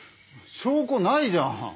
証拠ないじゃん。